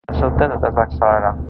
De sobte, tot es va accelerar.